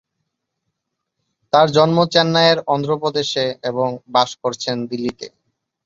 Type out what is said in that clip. তার জন্ম চেন্নাইয়ের অন্ধ্র প্রদেশে এবং বাস করছেন দিল্লিতে।